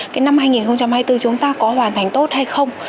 cái năm hai nghìn hai mươi bốn chúng ta có hoàn thành tốt hay không